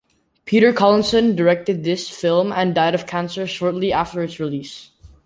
Peter Collinson directed this film and died of cancer shortly after its release.